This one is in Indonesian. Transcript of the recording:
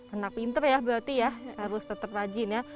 anak pinter ya berarti ya harus tetap rajin ya